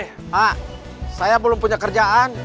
hah saya belum punya kerjaan